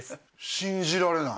信じられない。